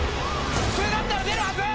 普通だったら出るはず！